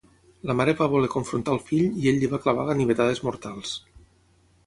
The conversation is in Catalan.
La mare va voler confrontar el fill i ell li va clavar ganivetades mortals.